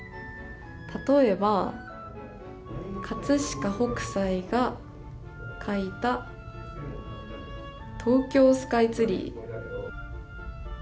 例えば、「葛飾北斎が描いた東京スカイツリー」。